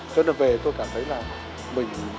cho nên là về tôi cảm thấy là mình